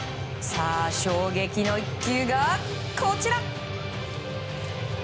さあ、衝撃の一球がこちら。